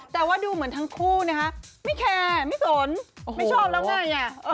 แต่ว่าดูเหมือนทั้งคู่นะคะไม่แคร์ไม่สนไม่ชอบแล้วไง